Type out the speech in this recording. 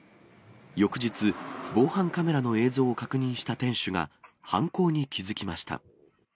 翌日、防犯カメラの映像を確認した店主が、犯行に気付きました。